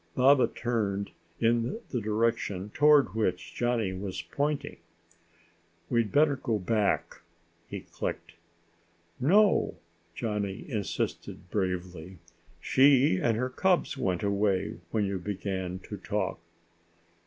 Baba turned in the direction toward which Johnny was pointing. "We'd better go back," he clicked. "No," Johnny insisted bravely. "She and her cubs went away when you began to talk."